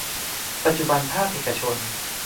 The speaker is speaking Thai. ปัจจุบันภาคเอกชน